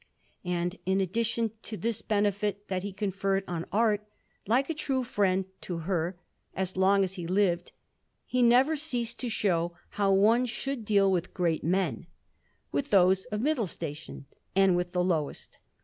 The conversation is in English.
And in addition to this benefit that he conferred on art, like a true friend to her, as long as he lived he never ceased to show how one should deal with great men, with those of middle station, and with the lowest.